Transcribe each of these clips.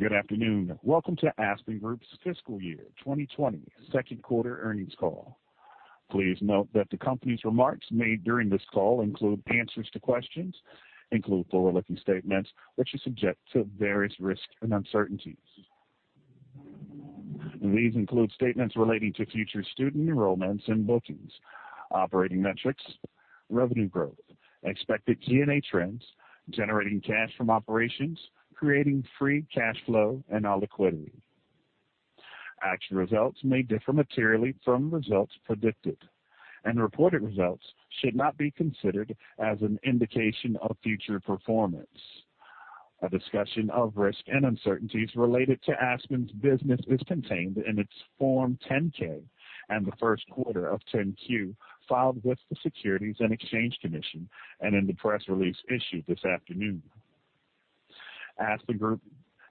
Good afternoon. Welcome to Aspen Group's fiscal year 2020 second quarter earnings call. Please note that the company's remarks made during this call include answers to questions, include forward-looking statements which are subject to various risks and uncertainties. These include statements relating to future student enrollments and bookings, operating metrics, revenue growth, expected G&A trends, generating cash from operations, creating free cash flow, and our liquidity. Actual results may differ materially from results predicted. Reported results should not be considered as an indication of future performance. A discussion of risks and uncertainties related to Aspen's business is contained in its Form 10-K and the first quarter of 10-Q filed with the Securities and Exchange Commission and in the press release issued this afternoon. Aspen Group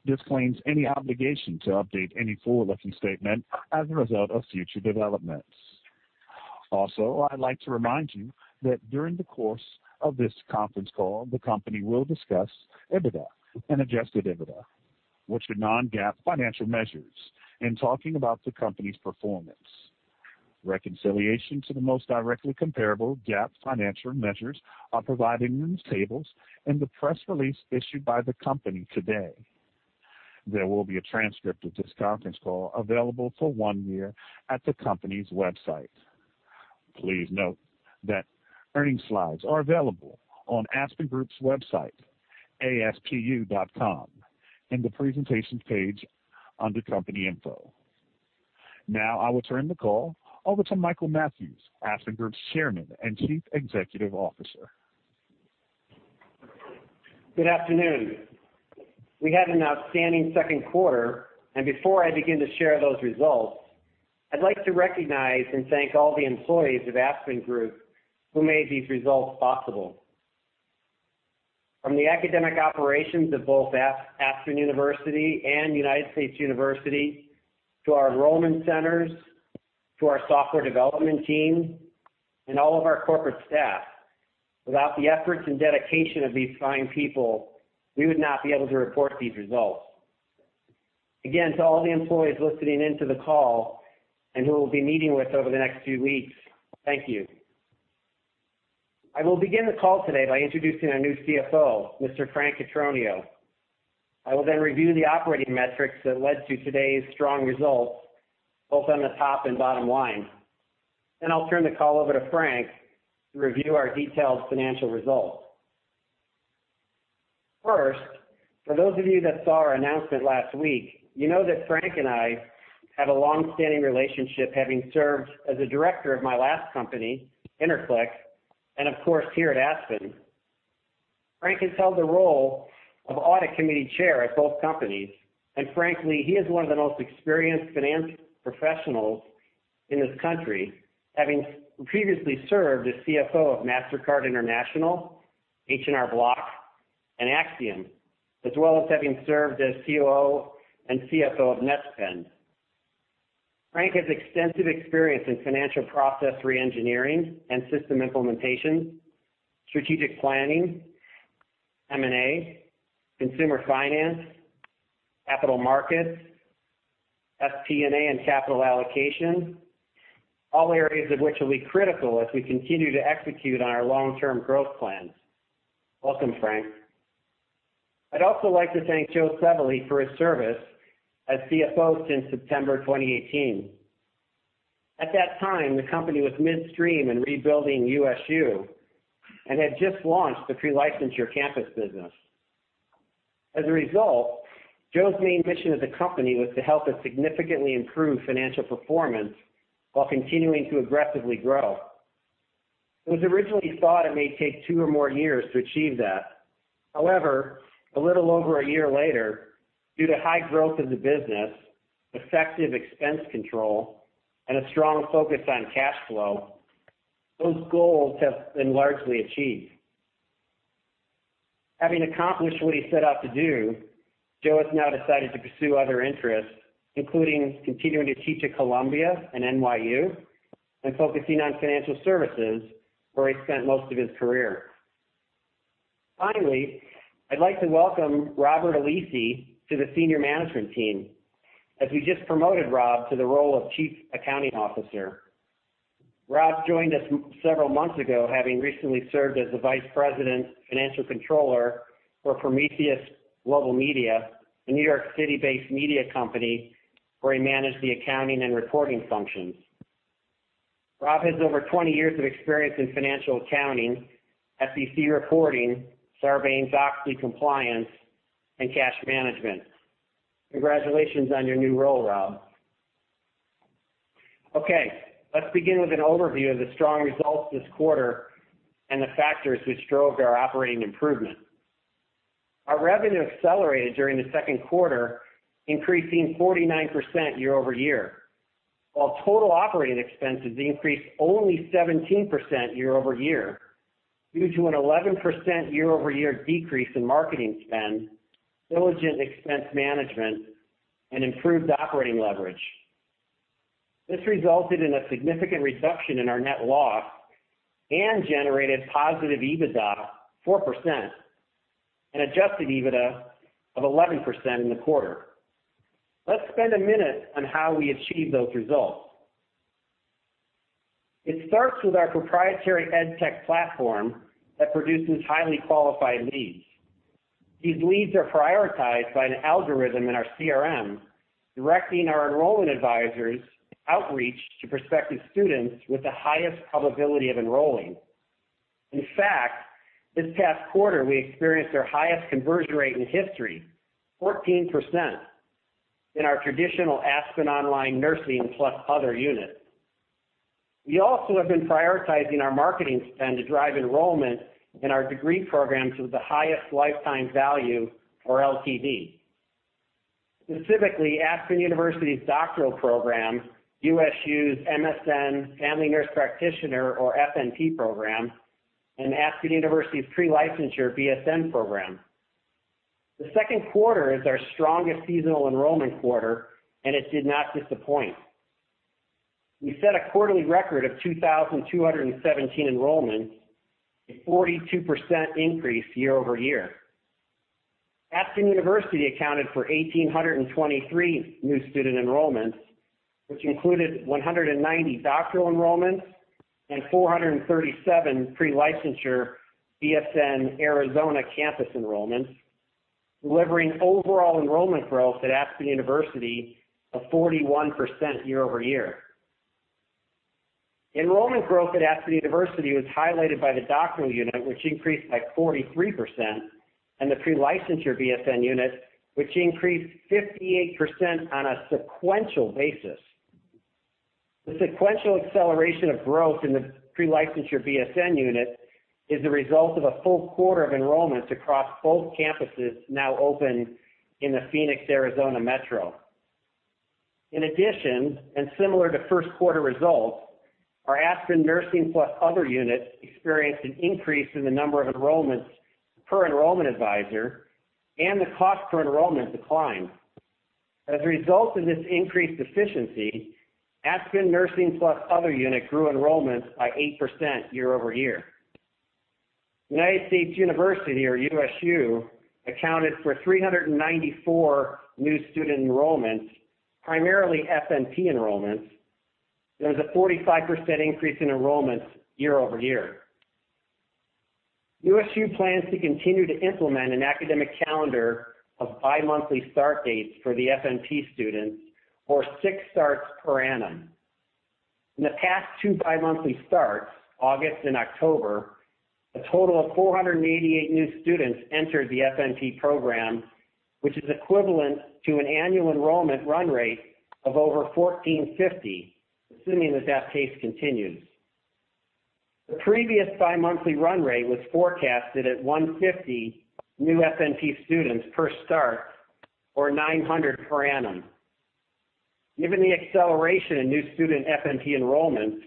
disclaims any obligation to update any forward-looking statement as a result of future developments. Also, I'd like to remind you that during the course of this conference call, the company will discuss EBITDA and adjusted EBITDA, which are non-GAAP financial measures, in talking about the company's performance. Reconciliation to the most directly comparable GAAP financial measures are provided in the tables in the press release issued by the company today. There will be a transcript of this conference call available for one year at the company's website. Please note that earning slides are available on Aspen Group's website, aspu.com, in the presentations page under company info. Now, I will turn the call over to Michael Mathews, Aspen Group's Chairman and Chief Executive Officer. Good afternoon. We had an outstanding second quarter, and before I begin to share those results, I'd like to recognize and thank all the employees of Aspen Group who made these results possible. From the academic operations of both Aspen University and United States University, to our enrollment centers, to our software development team, and all of our corporate staff. Without the efforts and dedication of these fine people, we would not be able to report these results. Again, to all the employees listening in to the call and who we'll be meeting with over the next few weeks, thank you. I will begin the call today by introducing our new CFO, Mr. Frank Cotroneo. I will review the operating metrics that led to today's strong results, both on the top and bottom line. I'll turn the call over to Frank to review our detailed financial results. First, for those of you that saw our announcement last week, you know that Frank and I have a long-standing relationship, having served as a director of my last company, Interflex, and of course, here at Aspen. Frank has held the role of audit committee chair at both companies, and frankly, he is one of the most experienced finance professionals in this country, having previously served as CFO of Mastercard International, H&R Block, and Acxiom, as well as having served as COO and CFO of Netspend. Frank has extensive experience in financial process re-engineering and system implementation, strategic planning, M&A, consumer finance, capital markets, FP&A, and capital allocation, all areas of which will be critical as we continue to execute on our long-term growth plans. Welcome, Frank. I'd also like to thank Joe Cirelli for his service as CFO since September 2018. At that time, the company was midstream in rebuilding USU and had just launched the Pre-Licensure BSN Program. As a result, Joe's main mission at the company was to help us significantly improve financial performance while continuing to aggressively grow. It was originally thought it may take two or more years to achieve that. However, a little over a year later, due to high growth of the business, effective expense control, and a strong focus on cash flow, those goals have been largely achieved. Having accomplished what he set out to do, Joe has now decided to pursue other interests, including continuing to teach at Columbia and NYU and focusing on financial services, where he spent most of his career. Finally, I'd like to welcome Robert Alessi to the senior management team, as we just promoted Rob to the role of Chief Accounting Officer. Rob joined us several months ago, having recently served as the Vice President Financial Controller for Prometheus Global Media, a New York City-based media company where he managed the accounting and reporting functions. Rob has over 20 years of experience in financial accounting, SEC reporting, Sarbanes-Oxley compliance, and cash management. Congratulations on your new role, Rob. Okay, let's begin with an overview of the strong results this quarter and the factors which drove our operating improvement. Our revenue accelerated during the second quarter, increasing 49% year-over-year. While total operating expenses increased only 17% year-over-year due to an 11% year-over-year decrease in marketing spend, diligent expense management, and improved operating leverage. This resulted in a significant reduction in our net loss and generated positive EBITDA 4%, and adjusted EBITDA of 11% in the quarter. Let's spend a minute on how we achieved those results. It starts with our proprietary ed tech platform that produces highly qualified leads. These leads are prioritized by an algorithm in our CRM, directing our enrollment advisors' outreach to prospective students with the highest probability of enrolling. In fact, this past quarter, we experienced our highest conversion rate in history, 14%, in our traditional Aspen Online Nursing plus other unit. We also have been prioritizing our marketing spend to drive enrollment in our degree programs with the highest lifetime value or LTV. Specifically, Aspen University's Doctoral Program, USU's MSN Family Nurse Practitioner or FNP Program, and Aspen University's Pre-Licensure BSN Program. The second quarter is our strongest seasonal enrollment quarter, and it did not disappoint. We set a quarterly record of 2,217 enrollments, a 42% increase year-over-year. Aspen University accounted for 1,823 new student enrollments, which included 190 doctoral enrollments and 437 Pre-Licensure BSN Arizona campus enrollments, delivering overall enrollment growth at Aspen University of 41% year-over-year. Enrollment growth at Aspen University was highlighted by the doctoral unit, which increased by 43%, and the Pre-Licensure BSN unit, which increased 58% on a sequential basis. The sequential acceleration of growth in the Pre-Licensure BSN unit is the result of a full quarter of enrollments across both campuses now open in the Phoenix, Arizona metro. Similar to first quarter results, our Aspen Nursing plus other units experienced an increase in the number of enrollments per enrollment advisor and the cost per enrollment declined. As a result of this increased efficiency, Aspen Nursing plus other unit grew enrollments by 8% year-over-year. United States University or USU accounted for 394 new student enrollments, primarily FNP enrollments. There was a 45% increase in enrollments year-over-year. USU plans to continue to implement an academic calendar of bi-monthly start dates for the FNP students or six starts per annum. In the past two bi-monthly starts, August and October, a total of 488 new students entered the FNP program, which is equivalent to an annual enrollment run rate of over 1,450, assuming that pace continues. The previous bi-monthly run rate was forecasted at 150 new FNP students per start or 900 per annum. Given the acceleration in new student FNP enrollments,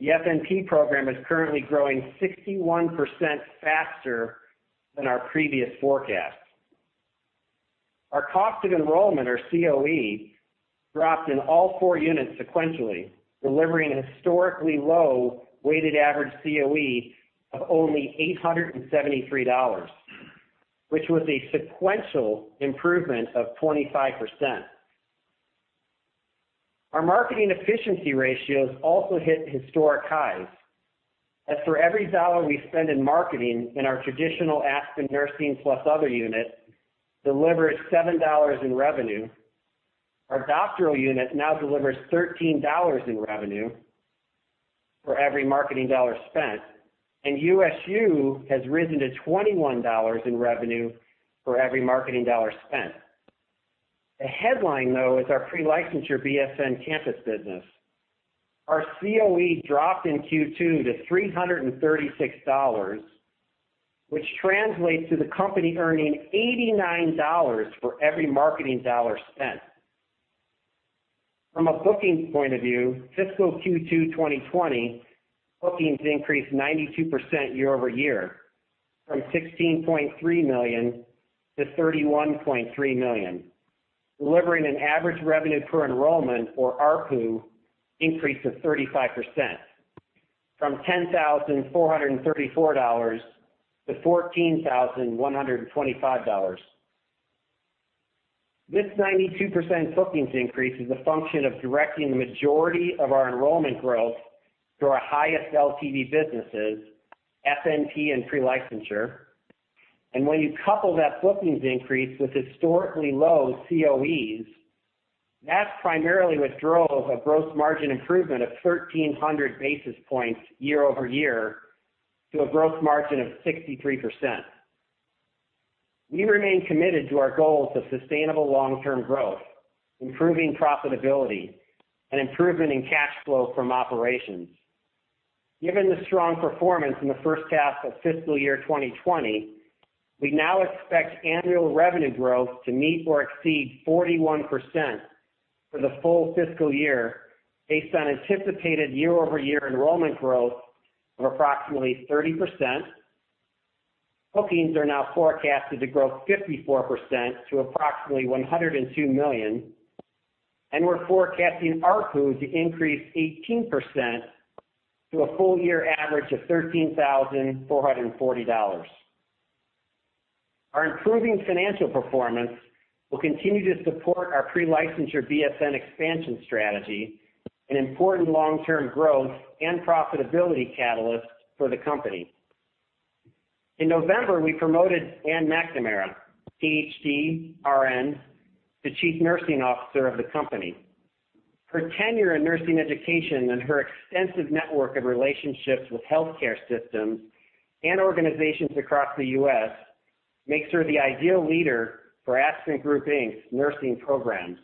the FNP program is currently growing 61% faster than our previous forecast. Our cost of enrollment or COE dropped in all four units sequentially, delivering a historically low weighted average COE of only $873, which was a sequential improvement of 25%. Our marketing efficiency ratios also hit historic highs, as for every dollar we spend in marketing in our traditional Aspen Nursing plus other unit delivers $7 in revenue. Our doctoral unit now delivers $13 in revenue for every marketing dollar spent, and USU has risen to $21 in revenue for every marketing dollar spent. The headline, though, is our Pre-Licensure BSN campus business. Our COE dropped in Q2 to $336, which translates to the company earning $89 for every marketing dollar spent. From a bookings point of view, fiscal Q2 2020 bookings increased 92% year-over-year from $16.3 million-$31.3 million, delivering an average revenue per enrollment or ARPU increase of 35%, from $10,434-$14,125. This 92% bookings increase is a function of directing the majority of our enrollment growth to our highest LTV businesses, FNP and Pre-Licensure. When you couple that bookings increase with historically low COEs, that primarily drove a gross margin improvement of 1,300 basis points year-over-year to a gross margin of 63%. We remain committed to our goals of sustainable long-term growth, improving profitability, and improvement in cash flow from operations. Given the strong performance in the first half of fiscal year 2020, we now expect annual revenue growth to meet or exceed 41% for the full fiscal year based on anticipated year-over-year enrollment growth of approximately 30%. Bookings are now forecasted to grow 54% to approximately $102 million, and we're forecasting ARPU to increase 18% to a full year average of $13,440. Our improving financial performance will continue to support our Pre-Licensure BSN expansion strategy, an important long-term growth and profitability catalyst for the company. In November, we promoted Ann McNamara, PhD, RN, to Chief Nursing Officer of the company. Her tenure in nursing education and her extensive network of relationships with healthcare systems and organizations across the U.S. makes her the ideal leader for Aspen Group Inc.'s nursing programs.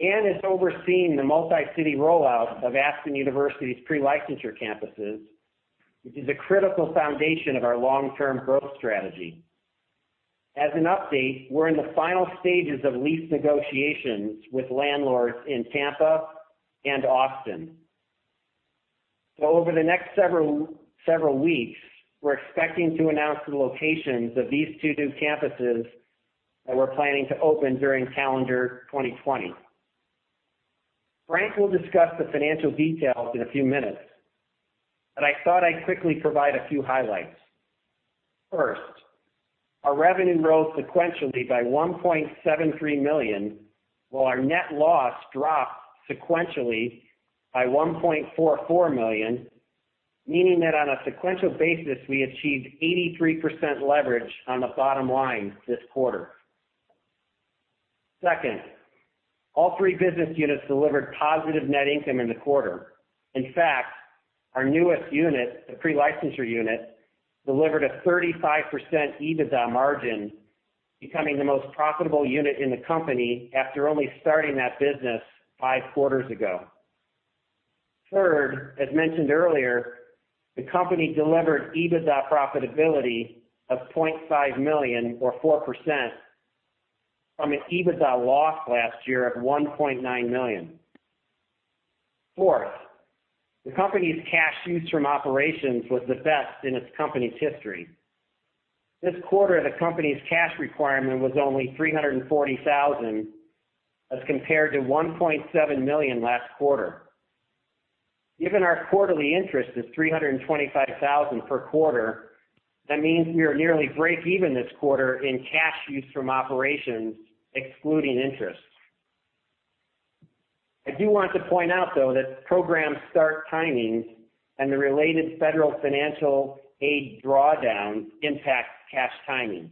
Anne is overseeing the multi-city rollout of Aspen University's Pre-Licensure campuses, which is a critical foundation of our long-term growth strategy. As an update, we're in the final stages of lease negotiations with landlords in Tampa and Austin. Over the next several weeks, we're expecting to announce the locations of these two new campuses that we're planning to open during calendar 2020. Frank will discuss the financial details in a few minutes, but I thought I'd quickly provide a few highlights. First, our revenue rose sequentially by $1.73 million, while our net loss dropped sequentially by $1.44 million, meaning that on a sequential basis, we achieved 83% leverage on the bottom line this quarter. Second, all three business units delivered positive net income in the quarter. In fact, our newest unit, the Pre-Licensure unit, delivered a 35% EBITDA margin, becoming the most profitable unit in the company after only starting that business five quarters ago. Third, as mentioned earlier, the company delivered EBITDA profitability of $0.5 million or 4% from an EBITDA loss last year of $1.9 million. Fourth, the company's cash use from operations was the best in its company's history. This quarter, the company's cash requirement was only $340,000 as compared to $1.7 million last quarter. Given our quarterly interest is $325,000 per quarter, that means we are nearly breakeven this quarter in cash use from operations, excluding interest. I do want to point out, though, that program start timings and the related federal financial aid drawdowns impact cash timing.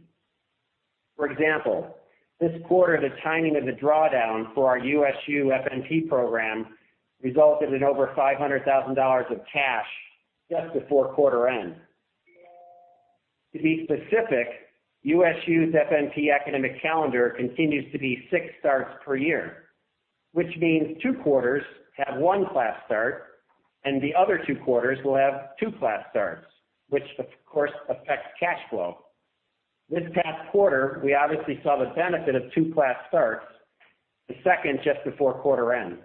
For example, this quarter, the timing of the drawdown for our USU FNP program resulted in over $500,000 of cash just before quarter end. To be specific, USU's FNP academic calendar continues to be six starts per year, which means two quarters have one class start, and the other two quarters will have two class starts, which of course affects cash flow. This past quarter, we obviously saw the benefit of two class starts, the second just before quarter end.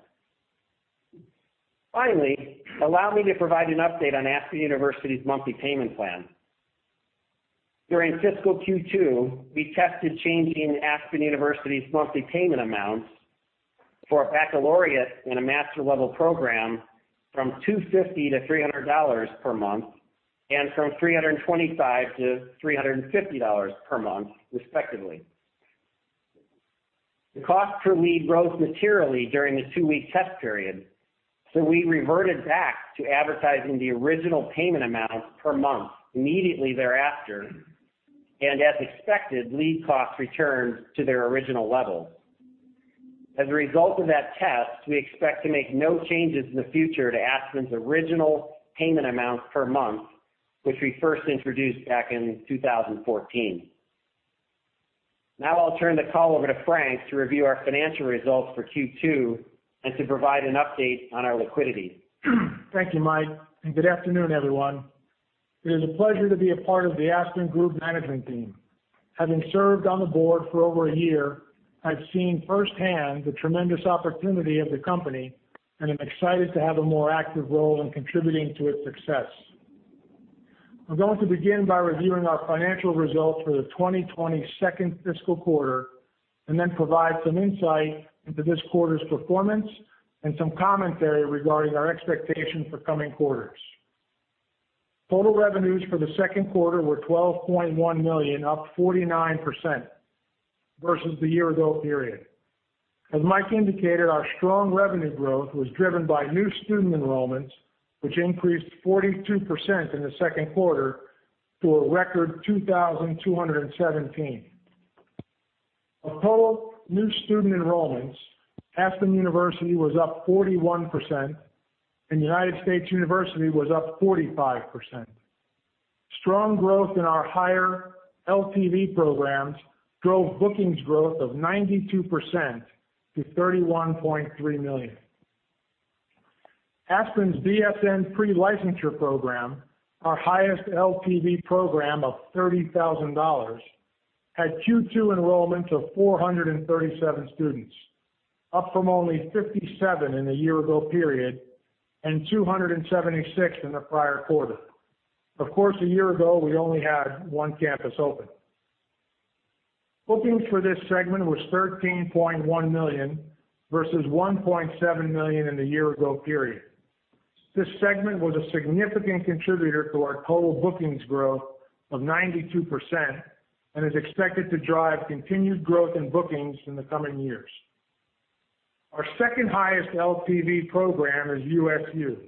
Finally, allow me to provide an update on Aspen University's monthly payment plan. During fiscal Q2, we tested changing Aspen University's monthly payment amounts for a baccalaureate and a master-level program from $250 to $300 per month and from $325 to $350 per month, respectively. The cost per lead rose materially during the two-week test period, so we reverted back to advertising the original payment amount per month immediately thereafter, and as expected, lead costs returned to their original level. As a result of that test, we expect to make no changes in the future to Aspen's original payment amount per month, which we first introduced back in 2014. I'll turn the call over to Frank to review our financial results for Q2 and to provide an update on our liquidity. Thank you, Mike, and good afternoon, everyone. It is a pleasure to be a part of the Aspen Group management team. Having served on the board for over a year, I've seen firsthand the tremendous opportunity of the company and am excited to have a more active role in contributing to its success. I'm going to begin by reviewing our financial results for the 2020 second fiscal quarter and then provide some insight into this quarter's performance and some commentary regarding our expectations for coming quarters. Total revenues for the second quarter were $12.1 million, up 49% versus the year-ago period. As Mike indicated, our strong revenue growth was driven by new student enrollments, which increased 42% in the second quarter to a record 2,217. Of total new student enrollments, Aspen University was up 41%, and United States University was up 45%. Strong growth in our higher LTV programs drove bookings growth of 92% to $31.3 million. Aspen's Pre-Licensure BSN Program, our highest LTV program of $30,000, had Q2 enrollments of 437 students. Up from only 57 in the year-ago period, and 276 in the prior quarter. Of course, a year-ago, we only had one campus open. Bookings for this segment was $13.1 million, versus $1.7 million in the year-ago period. This segment was a significant contributor to our total bookings growth of 92%, and is expected to drive continued growth in bookings in the coming years. Our second highest LTV program is USU,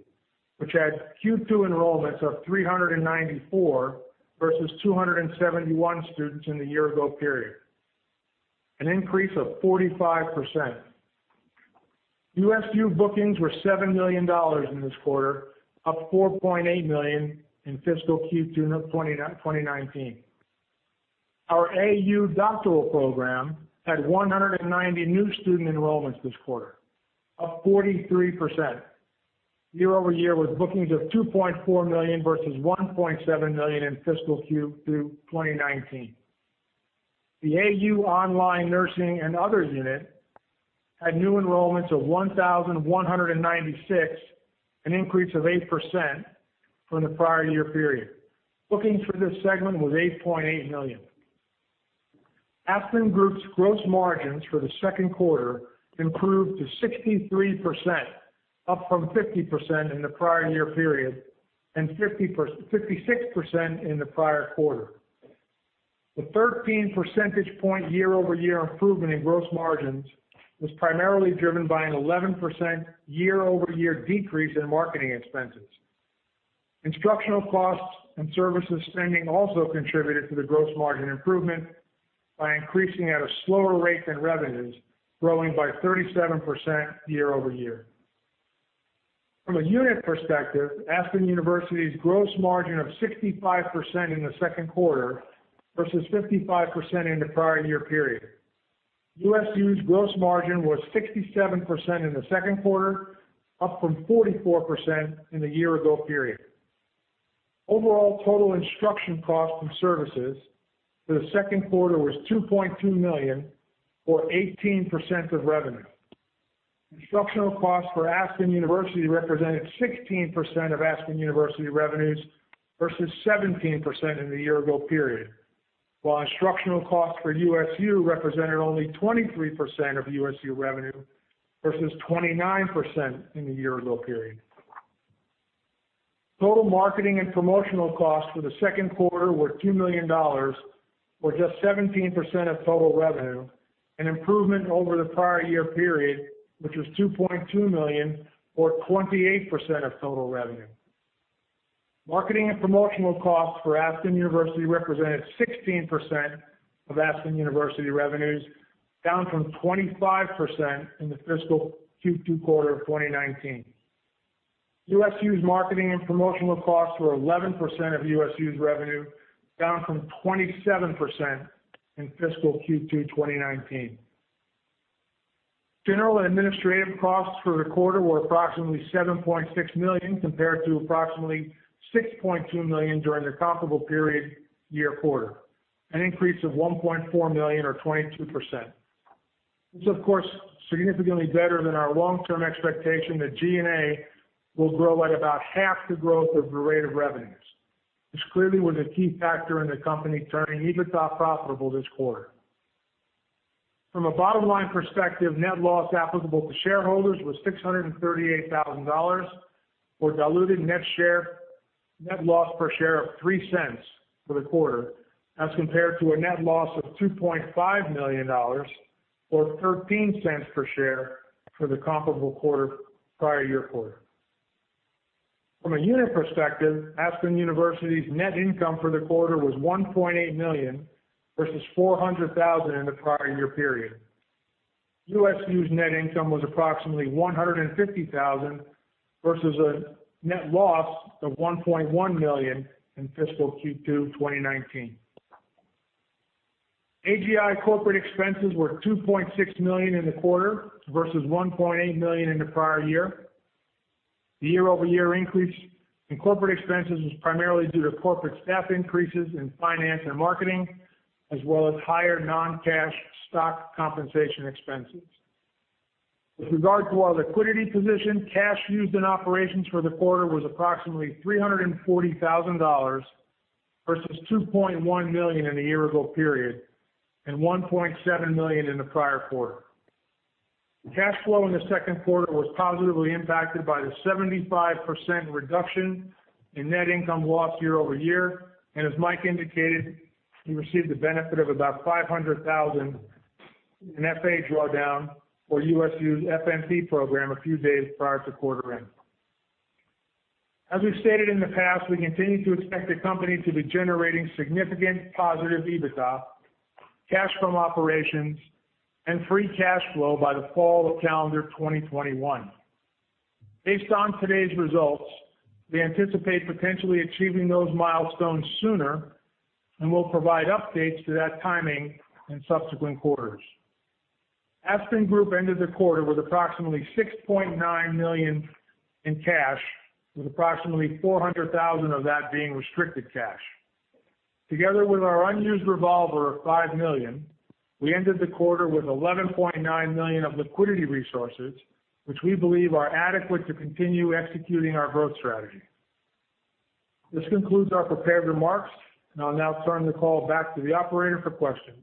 which had Q2 enrollments of 394 versus 271 students in the year-ago period. An increase of 45%. USU bookings were $7 million in this quarter, up $4.8 million in fiscal Q2 2019. Our AU doctoral program had 190 new student enrollments this quarter, up 43%. Year-over-year with bookings of $2.4 million versus $1.7 million in fiscal Q2 2019. The AU Online Nursing and Other unit had new enrollments of 1,196, an increase of 8% from the prior year period. Bookings for this segment was $8.8 million. Aspen Group's gross margins for the second quarter improved to 63%, up from 50% in the prior year period and 56% in the prior quarter. The 13 percentage point year-over-year improvement in gross margins was primarily driven by an 11% year-over-year decrease in marketing expenses. Instructional costs and services spending also contributed to the gross margin improvement by increasing at a slower rate than revenues, growing by 37% year-over-year. From a unit perspective, Aspen University's gross margin of 65% in the second quarter versus 55% in the prior year period. USU's gross margin was 67% in the second quarter, up from 44% in the year ago period. Overall, total instruction cost and services for the second quarter was $2.2 million, or 18% of revenue. Instructional costs for Aspen University represented 16% of Aspen University revenues versus 17% in the year ago period. While instructional costs for USU represented only 23% of USU revenue versus 29% in the year ago period. Total marketing and promotional costs for the second quarter were $2 million, or just 17% of total revenue, an improvement over the prior year period, which was $2.2 million or 28% of total revenue. Marketing and promotional costs for Aspen University represented 16% of Aspen University revenues, down from 25% in the fiscal Q2 quarter of 2019. USU's marketing and promotional costs were 11% of USU's revenue, down from 27% in fiscal Q2 2019. General and administrative costs for the quarter were approximately $7.6 million, compared to approximately $6.2 million during the comparable period year quarter, an increase of $1.4 million or 22%. This, of course, significantly better than our long-term expectation that G&A will grow at about half the growth of the rate of revenues. This clearly was a key factor in the company turning EBITDA profitable this quarter. From a bottom line perspective, net loss applicable to shareholders was $638,000, or diluted net loss per share of $0.03 for the quarter, as compared to a net loss of $2.5 million, or $0.13 per share for the comparable prior year quarter. From a unit perspective, Aspen University's net income for the quarter was $1.8 million versus $400,000 in the prior year period. USU's net income was approximately $150,000 versus a net loss of $1.1 million in fiscal Q2 2019. AGI corporate expenses were $2.6 million in the quarter versus $1.8 million in the prior year. The year-over-year increase in corporate expenses was primarily due to corporate staff increases in finance and marketing, as well as higher non-cash stock compensation expenses. With regard to our liquidity position, cash used in operations for the quarter was approximately $340,000 versus $2.1 million in the year ago period, and $1.7 million in the prior quarter. Cash flow in the second quarter was positively impacted by the 75% reduction in net income loss year-over-year, and as Mike indicated, we received the benefit of about $500,000 in FA drawdown for USU's FNP program a few days prior to quarter end. As we've stated in the past, we continue to expect the company to be generating significant positive EBITDA, cash from operations, and free cash flow by the fall of calendar 2021. Based on today's results, we anticipate potentially achieving those milestones sooner and will provide updates to that timing in subsequent quarters. Aspen Group ended the quarter with approximately $6.9 million in cash, with approximately $400,000 of that being restricted cash. Together with our unused revolver of $5 million, we ended the quarter with $11.9 million of liquidity resources, which we believe are adequate to continue executing our growth strategy. This concludes our prepared remarks, and I'll now turn the call back to the operator for questions.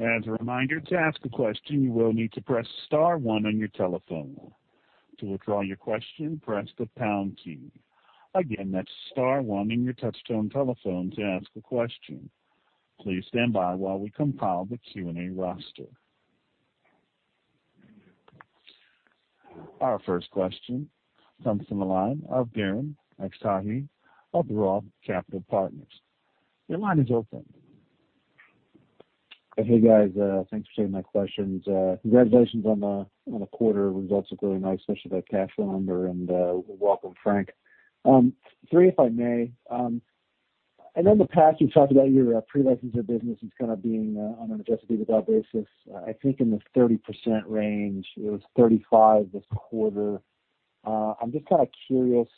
As a reminder, to ask a question, you will need to press star one on your telephone. To withdraw your question, press the pound key. Again, that's star one on your touchtone telephone to ask a question. Please stand by while we compile the Q&A roster. Our first question comes from the line of Darren Aftahi of ROTH Capital Partners. Your line is open. Hey, guys. Thanks for taking my questions. Congratulations on the quarter results, look really nice, especially that cash number, and welcome, Frank. Three, if I may. I know in the past you talked about your Pre-Licensure business as kind of being on an adjusted EBITDA basis, I think in the 30% range. It was 35% this quarter. I'm just kind of curious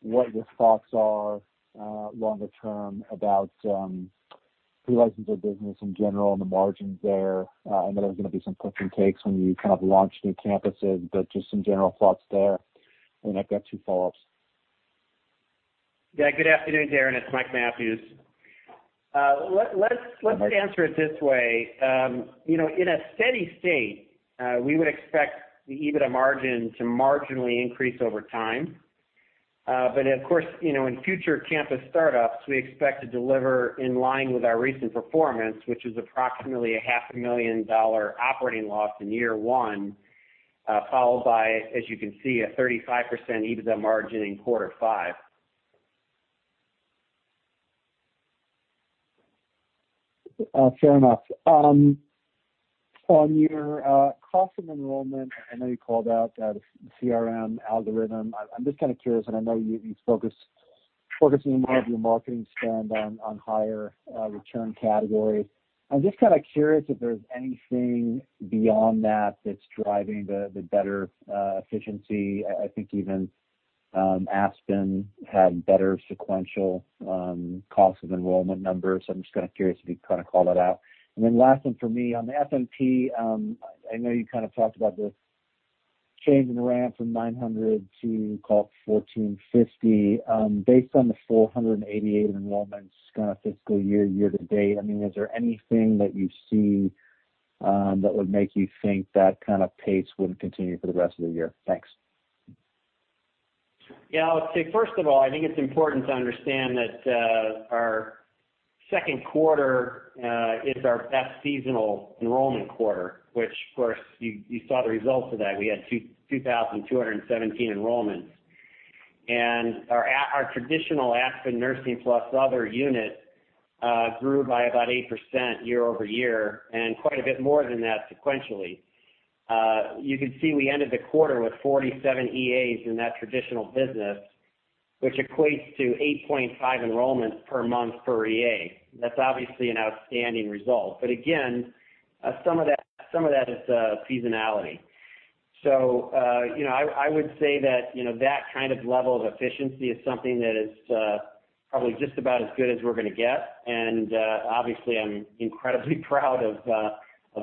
what your thoughts are longer term about Pre-Licensure business in general and the margins there. I know there are going to be some push and takes when you launch new campuses, but just some general thoughts there. Then I've got two follow-ups. Yeah. Good afternoon, Darren Aftahi. It's Mike Mathews. Let's answer it this way. In a steady state, we would expect the EBITDA margin to marginally increase over time. Of course, in future campus startups, we expect to deliver in line with our recent performance, which is approximately a half a million dollar operating loss in year 1, followed by, as you can see, a 35% EBITDA margin in quarter 5. Fair enough. On your cost of enrollment, I know you called out the CRM algorithm. I'm just kind of curious, and I know you've been focusing more of your marketing spend on higher return categories. I'm just kind of curious if there's anything beyond that that's driving the better efficiency. I think even Aspen had better sequential cost of enrollment numbers. I'm just kind of curious if you'd call that out. Last one for me, on the FNP, I know you kind of talked about the change in the ramp from 900 to call it 1,450. Based on the 488 enrollments fiscal year-to-date, is there anything that you see that would make you think that kind of pace wouldn't continue for the rest of the year? Thanks. Yeah. I would say, first of all, I think it's important to understand that our second quarter is our best seasonal enrollment quarter, which of course, you saw the results of that. We had 2,217 enrollments. Our traditional Aspen Nursing plus other unit grew by about 8% year-over-year, and quite a bit more than that sequentially. You can see we ended the quarter with 47 EAs in that traditional business, which equates to 8.5 enrollments per month per EA. That's obviously an outstanding result. Again, some of that is seasonality. I would say that kind of level of efficiency is something that is probably just about as good as we're going to get, and obviously I'm incredibly proud of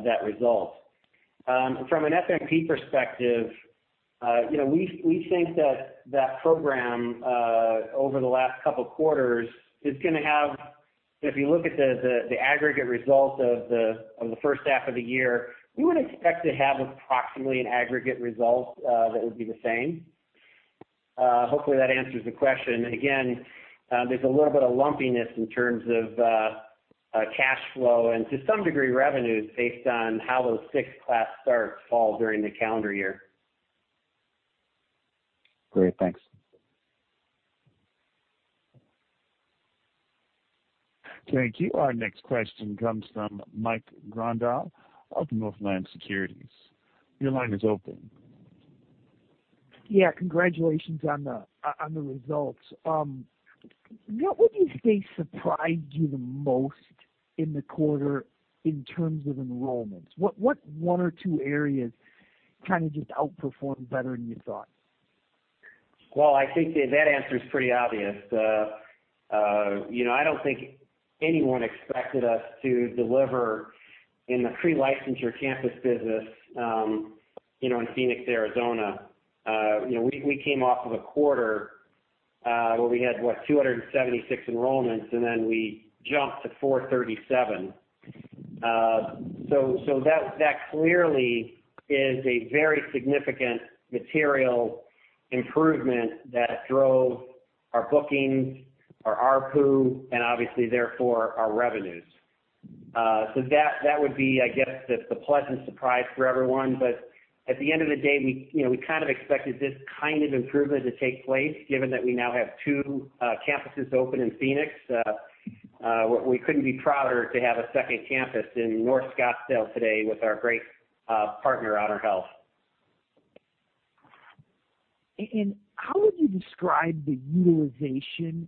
that result. From an FNP perspective, we think that that program, over the last couple of quarters, if you look at the aggregate result of the first half of the year, we would expect to have approximately an aggregate result that would be the same. Hopefully, that answers the question. Again, there's a little bit of lumpiness in terms of cash flow and to some degree, revenues based on how those 6 class starts fall during the calendar year. Great. Thanks. Thank you. Our next question comes from Mike Grondahl of Northland Securities. Your line is open. Yeah. Congratulations on the results. What would you say surprised you the most in the quarter in terms of enrollments? What one or two areas kind of just outperformed better than you thought? Well, I think that answer's pretty obvious. I don't think anyone expected us to deliver in the Pre-Licensure campus business in Phoenix, Arizona. We came off of a quarter where we had, what? 276 enrollments, and then we jumped to 437. That clearly is a very significant material improvement that drove our bookings, our ARPU, and obviously therefore our revenues. That would be, I guess, the pleasant surprise for everyone. At the end of the day, we kind of expected this kind of improvement to take place given that we now have two campuses open in Phoenix. We couldn't be prouder to have a second campus in North Scottsdale today with our great partner, HonorHealth. How would you describe the utilization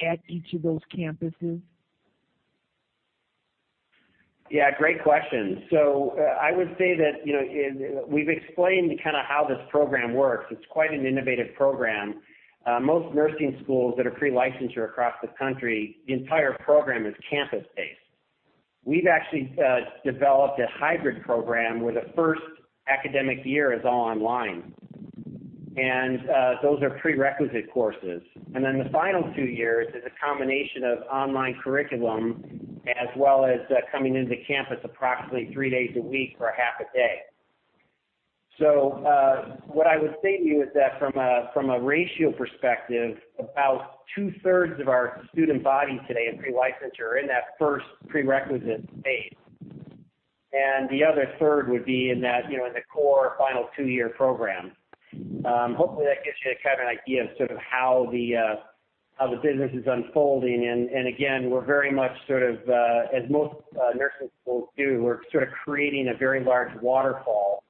at each of those campuses? Yeah, great question. I would say that we've explained how this program works. It's quite an innovative program. Most nursing schools that are pre-licensure across the country, the entire program is campus-based. We've actually developed a hybrid program where the first academic year is all online, and those are prerequisite courses. Then the final two years is a combination of online curriculum as well as coming into campus approximately three days a week for half a day. What I would say to you is that from a ratio perspective, about two-thirds of our student body today in pre-licensure are in that first prerequisite phase. The other third would be in the core final two-year program. Hopefully, that gives you a kind of an idea of how the business is unfolding. Again, we're very much, as most nursing schools do, we're creating a very large waterfall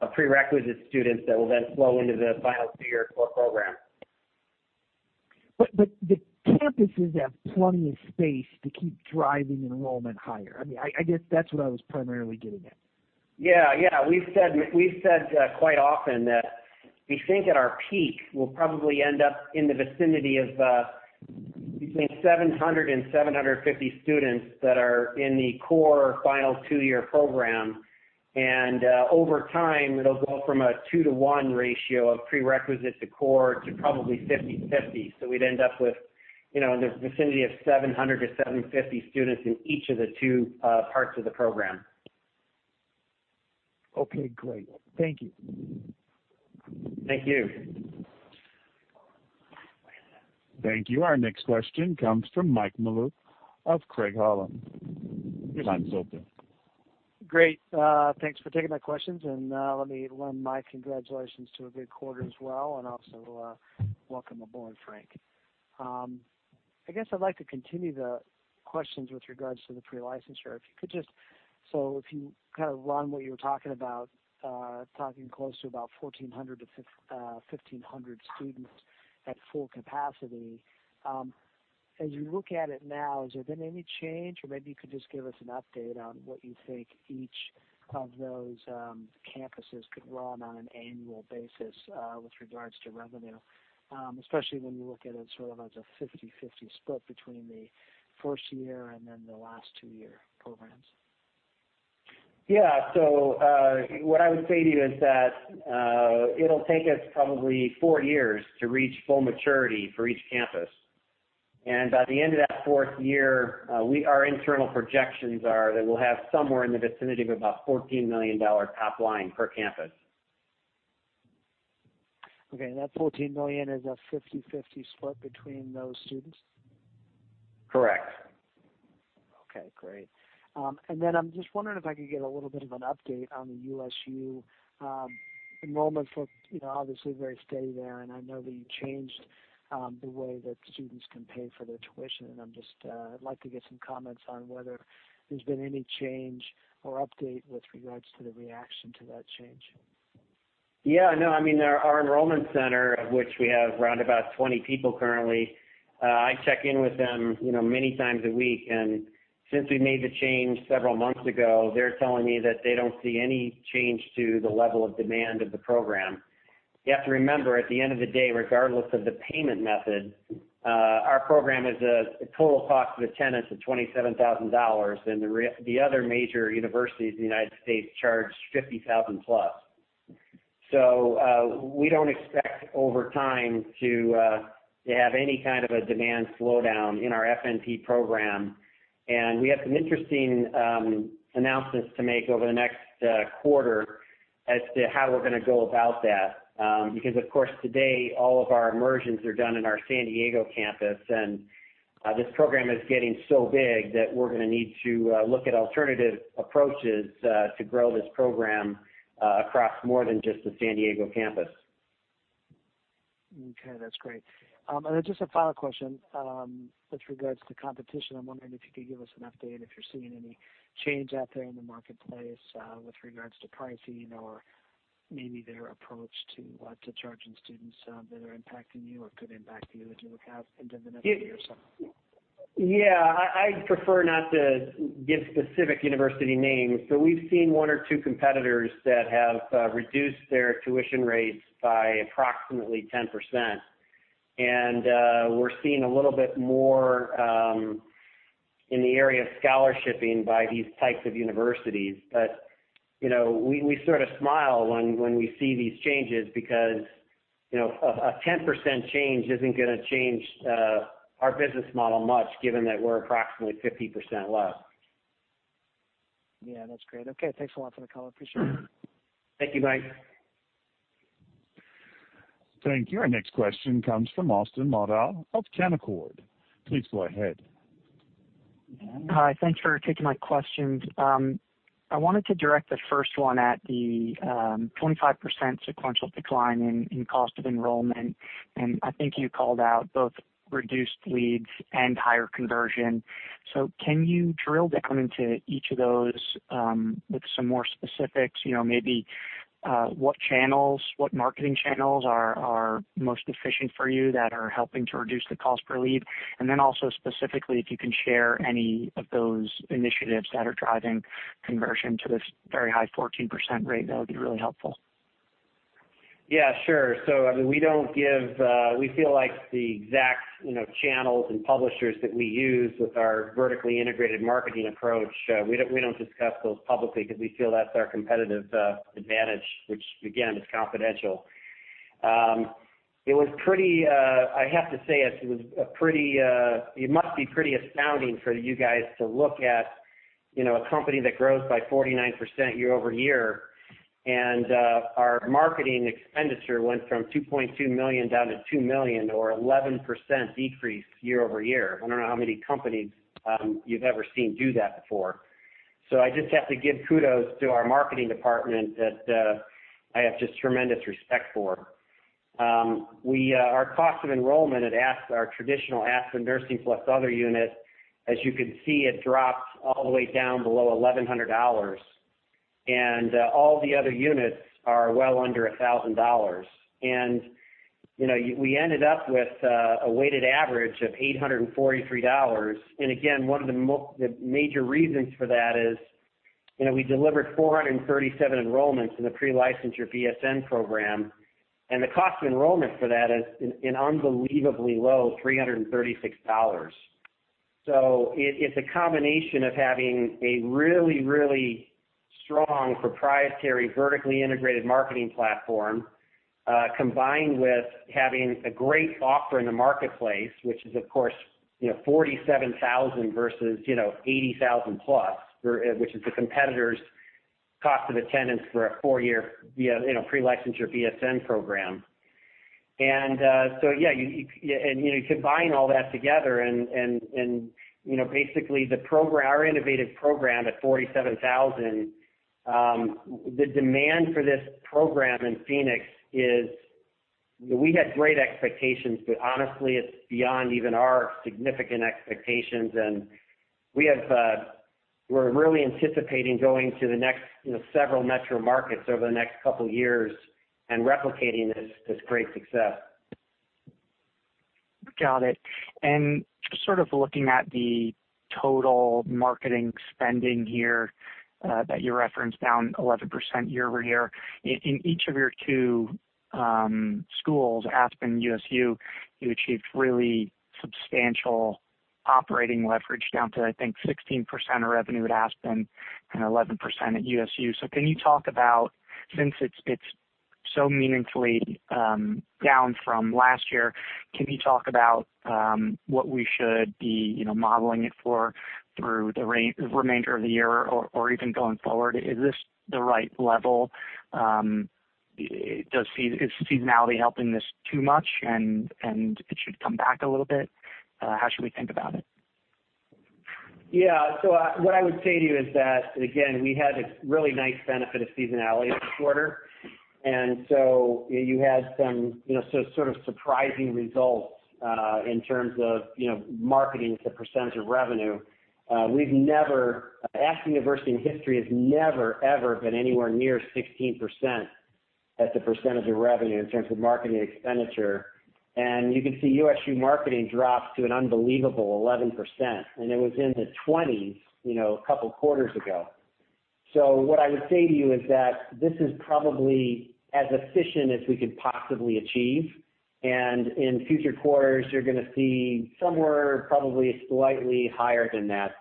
of prerequisite students that will then flow into the final two-year core program. The campuses have plenty of space to keep driving enrollment higher. I guess that's what I was primarily getting at. Yeah. We've said quite often that we think at our peak, we'll probably end up in the vicinity of between 700 and 750 students that are in the core final two-year program. Over time, it'll go from a 2 to 1 ratio of prerequisite to core to probably 50/50. We'd end up with in the vicinity of 700 to 750 students in each of the two parts of the program. Okay, great. Thank you. Thank you. Thank you. Our next question comes from Mike Malouf of Craig-Hallum. Your line is open. Great. Thanks for taking my questions, and let me lend my congratulations to a good quarter as well, and also welcome aboard, Frank. I guess I'd like to continue the questions with regards to the Pre-Licensure. If you run what you were talking about, close to about 1,400-1,500 students at full capacity. As you look at it now, has there been any change, or maybe you could just give us an update on what you think each of those campuses could run on an annual basis, with regards to revenue, especially when you look at it as a 50/50 split between the first year and then the last two year programs. Yeah. What I would say to you is that, it'll take us probably four years to reach full maturity for each campus. By the end of that fourth year, our internal projections are that we'll have somewhere in the vicinity of about $14 million top line per campus. Okay. That $14 million is a 50/50 split between those students? Correct. Okay, great. I'm just wondering if I could get a little bit of an update on the USU enrollment for, obviously very steady there. I know that you changed the way that students can pay for their tuition. I'd like to get some comments on whether there's been any change or update with regards to the reaction to that change. Yeah. No, I mean, our enrollment center, of which we have around about 20 people currently, I check in with them many times a week. Since we made the change several months ago, they're telling me that they don't see any change to the level of demand of the program. You have to remember, at the end of the day, regardless of the payment method, our program is a total cost of attendance of $27,000, and the other major universities in the United States charge $50,000 plus. We don't expect over time to have any kind of a demand slowdown in our FNP program. We have some interesting announcements to make over the next quarter as to how we're going to go about that. Because of course, today, all of our immersions are done in our San Diego campus, and this program is getting so big that we're gonna need to look at alternative approaches, to grow this program, across more than just the San Diego campus. Okay. That's great. Then just a final question, with regards to competition. I'm wondering if you could give us an update if you're seeing any change out there in the marketplace, with regards to pricing or maybe their approach to charging students that are impacting you or could impact you as you look out into the next year or so. Yeah. I'd prefer not to give specific university names, but we've seen one or two competitors that have reduced their tuition rates by approximately 10%. We're seeing a little bit more in the area of scholarshipping by these types of universities. We sort of smile when we see these changes because a 10% change isn't gonna change our business model much, given that we're approximately 50% less. Yeah, that's great. Okay. Thanks a lot for the call. Appreciate it. Thank you, Mike. Thank you. Our next question comes from Austin Moldow of Canaccord. Please go ahead. Hi. Thanks for taking my questions. I wanted to direct the first one at the 25% sequential decline in cost of enrollment. I think you called out both reduced leads and higher conversion. Can you drill down into each of those with some more specifics? What marketing channels are most efficient for you that are helping to reduce the cost per lead? Also specifically, if you can share any of those initiatives that are driving conversion to this very high 14% rate, that would be really helpful. Yeah. Sure. We feel like the exact channels and publishers that we use with our vertically integrated marketing approach, we don't discuss those publicly because we feel that's our competitive advantage, which, again, is confidential. I have to say, it must be pretty astounding for you guys to look at a company that grows by 49% year-over-year. Our marketing expenditure went from $2.2 million down to $2 million, or 11% decrease year-over-year. I don't know how many companies you've ever seen do that before. I just have to give kudos to our marketing department that I have just tremendous respect for. Our cost of enrollment at our traditional Aspen University plus other unit, as you can see, it dropped all the way down below $1,100. All the other units are well under $1,000. We ended up with a weighted average of $843. Again, one of the major reasons for that is we delivered 437 enrollments in the Pre-Licensure BSN Program, and the cost of enrollment for that is an unbelievably low $336. It's a combination of having a really, really strong proprietary, vertically integrated marketing platform, combined with having a great offer in the marketplace, which is, of course, $47,000 versus $80,000 plus, which is the competitor's cost of attendance for a four-year Pre-Licensure BSN Program. Combining all that together and basically our innovative program at $47,000. We had great expectations, honestly, it's beyond even our significant expectations. We're really anticipating going to the next several metro markets over the next couple of years and replicating this great success. Got it. Just sort of looking at the total marketing spending here that you referenced down 11% year-over-year. In each of your two schools, Aspen, USU, you achieved really substantial operating leverage down to, I think, 16% of revenue at Aspen and 11% at USU. Can you talk about, since it's so meaningfully down from last year, can you talk about what we should be modeling it for through the remainder of the year or even going forward? Is this the right level? Is seasonality helping this too much, and it should come back a little bit? How should we think about it? Yeah. What I would say to you is that, again, we had a really nice benefit of seasonality this quarter. You had some sort of surprising results in terms of marketing as a percentage of revenue. Aspen University in history has never, ever been anywhere near 16% as a percentage of revenue in terms of marketing expenditure. You can see USU marketing dropped to an unbelievable 11%, and it was in the 20s a couple of quarters ago. What I would say to you is that this is probably as efficient as we could possibly achieve, and in future quarters, you're going to see somewhere probably slightly higher than that.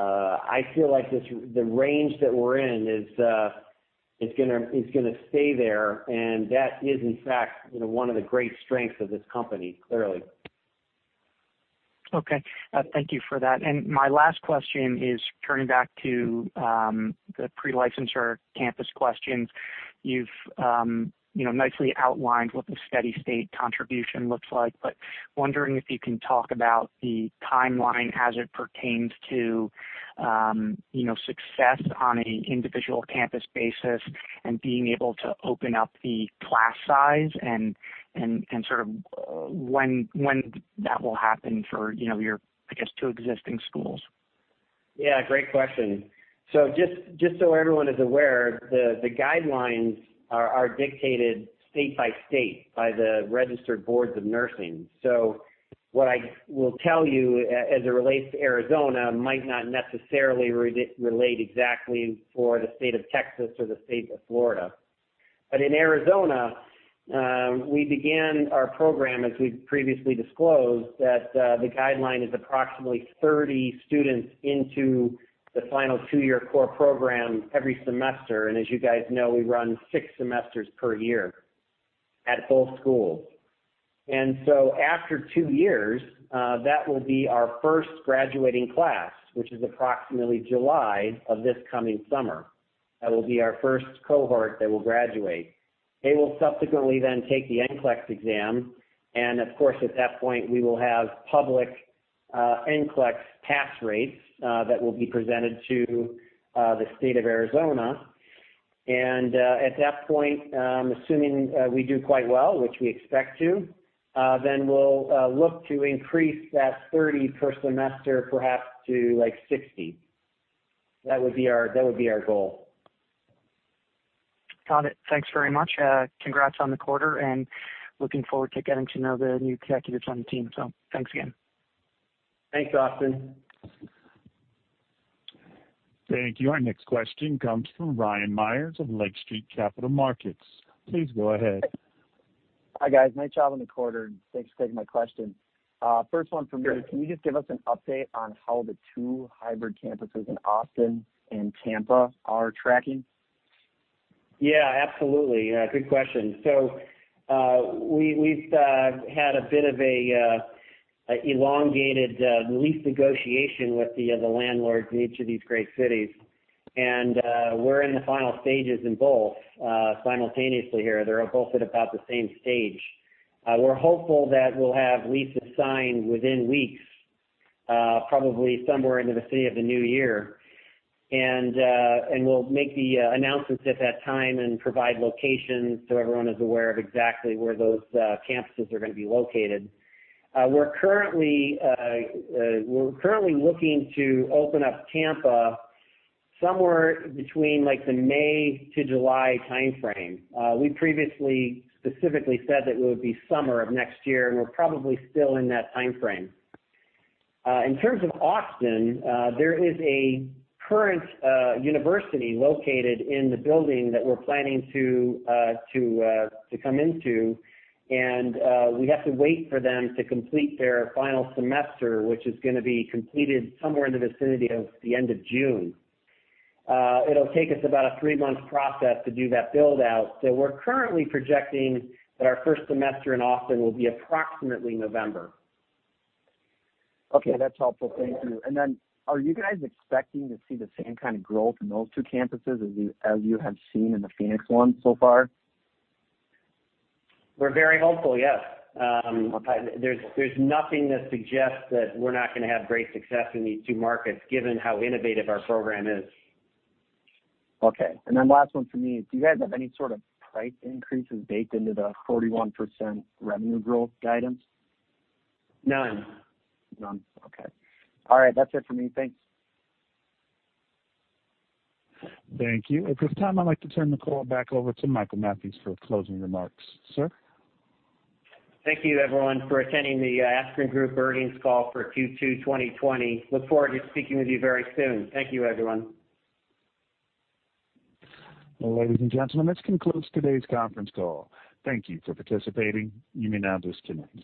I feel like the range that we're in is going to stay there, and that is, in fact, one of the great strengths of this company, clearly. Okay. Thank you for that. My last question is turning back to the pre-licensure campus questions. You've nicely outlined what the steady state contribution looks like, but wondering if you can talk about the timeline as it pertains to success on an individual campus basis and being able to open up the class size, and sort of when that will happen for your, I guess, two existing schools. Yeah. Great question. Just so everyone is aware, the guidelines are dictated state by state by the Registered Boards of Nursing. What I will tell you as it relates to Arizona might not necessarily relate exactly for the state of Texas or the state of Florida. In Arizona, we began our program, as we've previously disclosed, that the guideline is approximately 30 students into the final two-year core program every semester. As you guys know, we run six semesters per year at both schools. After two years, that will be our first graduating class, which is approximately July of this coming summer. That will be our first cohort that will graduate. They will subsequently then take the NCLEX exam, and of course, at that point, we will have public NCLEX pass rates that will be presented to the state of Arizona. At that point, assuming we do quite well, which we expect to. We'll look to increase that 30 per semester, perhaps to 60. That would be our goal. Got it. Thanks very much. Congrats on the quarter, and looking forward to getting to know the new executives on the team. Thanks again. Thanks, Austin. Thank you. Our next question comes from Ryan Myers of Lake Street Capital Markets. Please go ahead. Hi, guys. Nice job on the quarter, and thanks for taking my question. First one from me. Sure. Can you just give us an update on how the two hybrid campuses in Austin and Tampa are tracking? Absolutely. Good question. We've had a bit of an elongated lease negotiation with the landlords in each of these great cities. We're in the final stages in both, simultaneously here. They're both at about the same stage. We're hopeful that we'll have leases signed within weeks, probably somewhere into the city of the new year. We'll make the announcements at that time and provide locations so everyone is aware of exactly where those campuses are going to be located. We're currently looking to open up Tampa somewhere between the May to July timeframe. We previously specifically said that it would be summer of next year, and we're probably still in that timeframe. In terms of Austin, there is a current university located in the building that we're planning to come into. We have to wait for them to complete their final semester, which is going to be completed somewhere in the vicinity of the end of June. It'll take us about a three-month process to do that build-out. We're currently projecting that our first semester in Austin will be approximately November. Okay, that's helpful. Thank you. Are you guys expecting to see the same kind of growth in those two campuses as you have seen in the Phoenix one so far? We're very hopeful, yes. There's nothing that suggests that we're not going to have great success in these two markets, given how innovative our program is. Okay. Last one for me. Do you guys have any sort of price increases baked into the 41% revenue growth guidance? None. None. Okay. All right. That's it for me. Thanks. Thank you. At this time, I'd like to turn the call back over to Michael Mathews for closing remarks. Sir? Thank you, everyone, for attending the Aspen Group earnings call for Q2 2020. Look forward to speaking with you very soon. Thank you, everyone. Ladies and gentlemen, this concludes today's conference call. Thank you for participating. You may now disconnect.